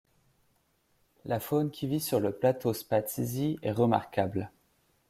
La faune qui vit sur le plateau Spatsizi est remarquable.